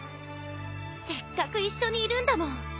せっかく一緒にいるんだもん。